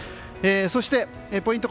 そして、ポイント